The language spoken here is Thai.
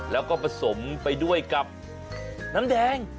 แล้วก็ผสมไปด้วยกับน้ำแดง